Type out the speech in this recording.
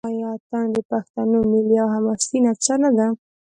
آیا اټن د پښتنو ملي او حماسي نڅا نه ده؟